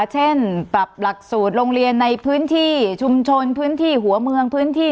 เช่นปรับหลักสูตรโรงเรียนในพื้นที่ชุมชนพื้นที่หัวเมืองพื้นที่